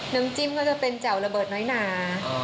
น้ำจิ้มก็จะเป็นแจ่วระเบิดน้อยหนา